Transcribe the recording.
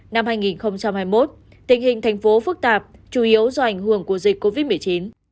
năm hai nghìn hai mươi một tình hình thành phố phức tạp chủ yếu do ảnh hưởng của dịch covid một mươi chín